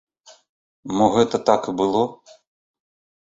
Мо гэта так і было?